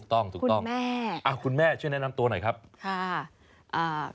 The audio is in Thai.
ถูกต้องถูกต้องแม่อ่าคุณแม่ช่วยแนะนำตัวหน่อยครับค่ะอ่า